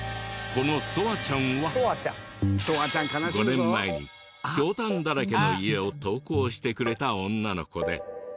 ５年前にひょうたんだらけの家を投稿してくれた女の子で。